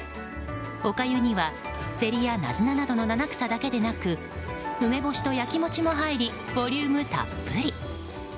おかゆには、セリやナズナなどの七草だけでなく梅干しと焼き餅も入りボリュームたっぷり。